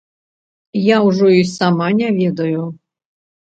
Я ўжо й сама не ведаю.